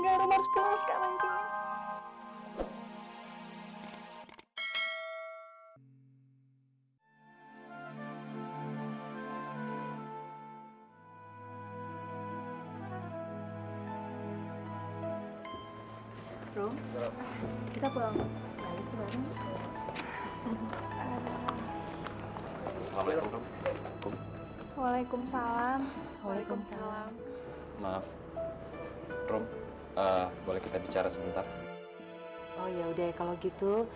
waalaikumsalam waalaikumsalam maaf rom boleh kita bicara sebentar oh ya udah kalau gitu